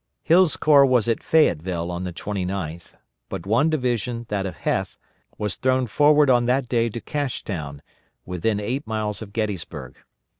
Hill's corps was at Fayetteville on the 29th, but one division, that of Heth, was thrown forward on that day to Cashtown, within eight miles of Gettysburg.